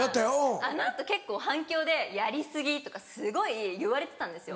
あの後結構反響でやり過ぎとかすごい言われてたんですよ。